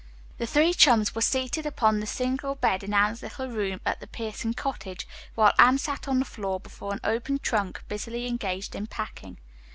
The three chums were seated upon the single bed in Anne's little room at the Pierson cottage, while Anne sat on the floor before an open trunk, busily engaged in packing.